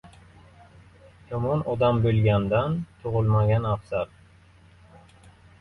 • Yomon odam bo‘lgandan tug‘ilmagan afzal.